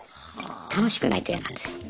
楽しくないと嫌なんですよ。